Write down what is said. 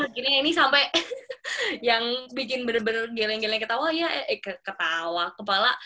akhirnya ini sampai yang bikin bener bener geleng geleng ketawa ya ketawa kepala